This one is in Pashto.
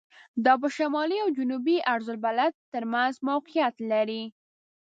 دا په شمالي او جنوبي عرض البلد تر منځ موقعیت لري.